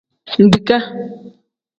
Mbiika.